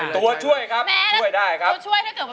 ตัวช่วยครับช่วยได้ครับ